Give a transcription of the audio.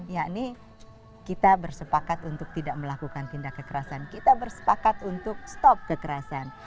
yakni kita bersepakat untuk tidak melakukan tindak kekerasan kita bersepakat untuk stop kekerasan